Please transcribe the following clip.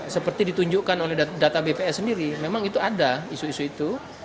seperti ditunjukkan oleh data bps sendiri memang itu ada isu isu itu